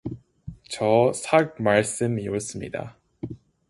저어, 삵말씀이올습니다.